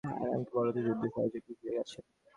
আমাকে বলো তো, যুদ্ধে সহজ বলে কি কিছু আছে?